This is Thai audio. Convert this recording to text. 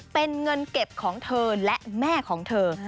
เป็นเงินเก็บของเธอและแม่ของเธอ